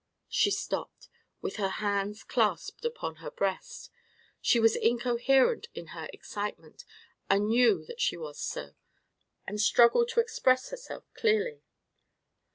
She stopped, with her hands clasped upon her breast. She was incoherent in her excitement, and knew that she was so, and struggled to express herself clearly.